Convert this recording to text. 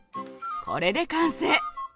これで完成。